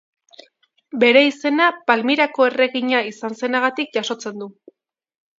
Bere izena Palmirako erregina izan zenagatik jasotzen du.